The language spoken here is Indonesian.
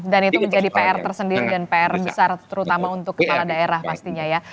dan itu menjadi pr tersendiri dan pr besar terutama untuk kepala daerah pastinya ya